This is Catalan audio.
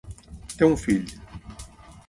Té un fill.